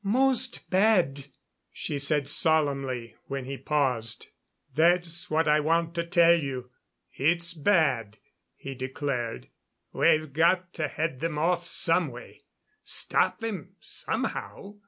"Most bad," she said solemnly when he paused. "That's what I want to tell you; it's bad," he declared. "We've got to head them off some way; stop them somehow.